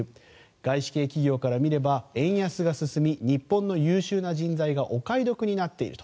外資系企業から見れば円安が進み日本の優秀な人材がお買い得になっていると。